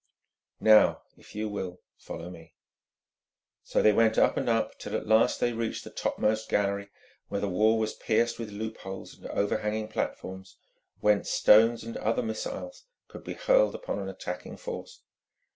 Now, if you will, follow me." So they went up and up, till at last they reached the topmost gallery, where the wall was pierced with loopholes and overhanging platforms, whence stones and other missiles could be hurled upon an attacking force.